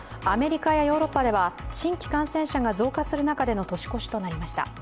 アメリカやヨーロッパでは新規感染者が増加する中での年越しとなりました。